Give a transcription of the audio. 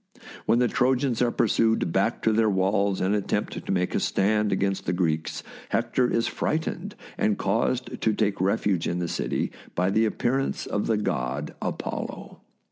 When the Trojans are pursued back to their walls and attempt to make a stand against the Greeks, Hector is frightened and caused to take refuge in the city by the appearance of the god Apollo.